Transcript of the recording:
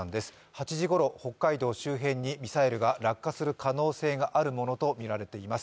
８時ごろ北海道周辺にミサイルが落下する可能性があるものとみられています。